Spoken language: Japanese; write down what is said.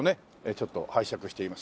ちょっと拝借しています。